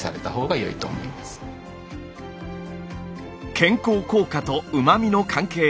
健康効果とうま味の関係。